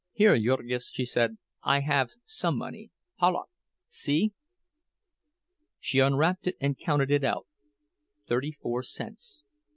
"Here, Jurgis!" she said, "I have some money. Palauk! See!" She unwrapped it and counted it out—thirty four cents.